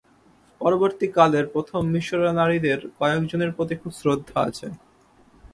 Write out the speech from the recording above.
পরবর্তী কালের প্রথম মিশনারীদের কয়েক জনের প্রতি খুব শ্রদ্ধা আছে।